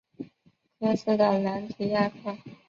科斯的朗提亚克。